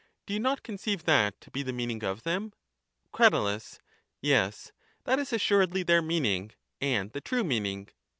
Do you not conceive that to be the meaning of them? Crat. Yes ; that is assuredly their meaning, and the true meaning.